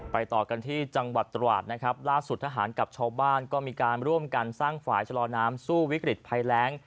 ต่อกันที่จังหวัดตราดนะครับล่าสุดทหารกับชาวบ้านก็มีการร่วมกันสร้างฝ่ายชะลอน้ำสู้วิกฤตภัยแรง